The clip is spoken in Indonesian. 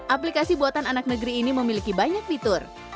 aplikasi buatan anak negeri ini memiliki banyak fitur